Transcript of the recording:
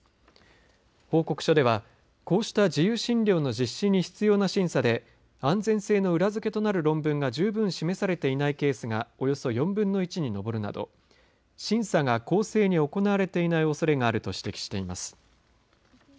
報告書ではこうした自由診療の実施に必要な審査で安全性の裏付けとなる論文が十分に示されていないケースがおよそ４分の１に上るなど審査が公正に行われていないおそれがあると指摘しています。